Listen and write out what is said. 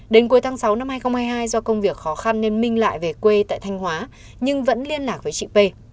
đến cuối tháng sáu năm hai nghìn hai mươi hai do công việc khó khăn nên minh lại về quê tại thanh hóa nhưng vẫn liên lạc với chị p